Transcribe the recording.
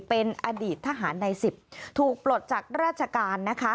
เป็นอดีตทหารใน๑๐ถูกปลดจากราชการนะคะ